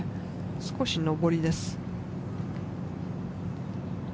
少し上りです。